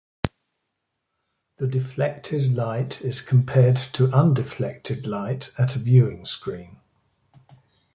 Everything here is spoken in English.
The deflected light is compared to undeflected light at a viewing screen.